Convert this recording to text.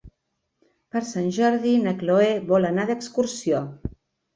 Per Sant Jordi na Cloè vol anar d'excursió.